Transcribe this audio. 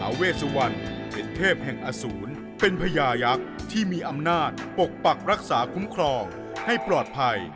เวสวรรณเป็นเทพแห่งอสูรเป็นพญายักษ์ที่มีอำนาจปกปักรักษาคุ้มครองให้ปลอดภัย